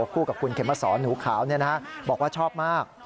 คู่กับคุณเขมสอนหนูขาวบอกว่าชอบมาก